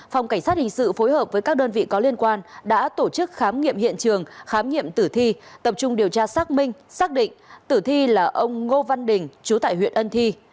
phòng cảnh sát hình sự phối hợp với các đơn vị có liên quan đã tổ chức khám nghiệm hiện trường khám nghiệm tử thi tập trung điều tra xác minh xác định tử thi là ông ngô văn đình chú tại huyện ân thi